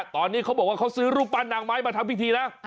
ตอนนี้เขาบอกว่าเขาซื้อรูปปั้นนางไม้มาทำพิธีนะ